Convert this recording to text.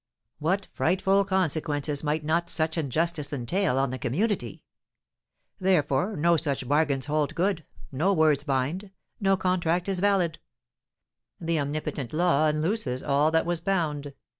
What frightful consequences might not such injustice entail on the community! Therefore, no such bargains hold good, no words bind, no contract is valid: the omnipotent law unlooses all that was thus bound.